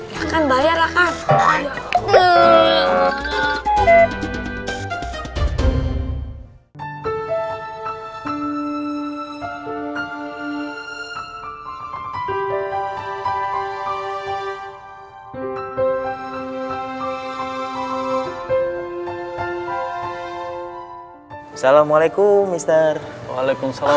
ya kan bayar lah kan